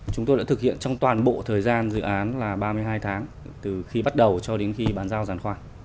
chúng tôi đã thực hiện trong toàn bộ thời gian dự án là ba mươi hai tháng từ khi bắt đầu cho đến khi bàn giao giàn khoan